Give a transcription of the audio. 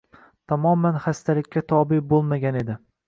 Tamoman xastalikka tobe bo‘lmagan edi.